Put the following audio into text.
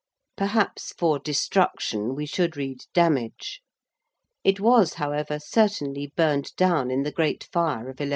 Perhaps for 'destruction' we should read 'damage.' It was, however, certainly burned down in the Great Fire of 1136.